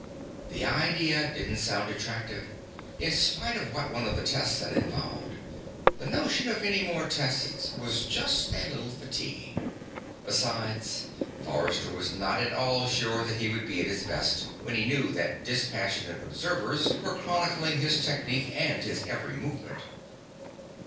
The idea didn't sound attractive. In spite of what one of the tests had involved, the notion of any more tests was just a little fatiguing. Besides, Forrester was not at all sure that he would be at his best, when he knew that dispassionate observers were chronicling his technique and his every movement.